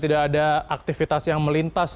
tidak ada aktivitas yang melintas